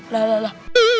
lah lah lah